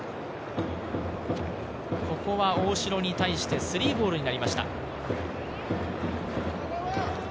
ここは大城に対して３ボールになりました。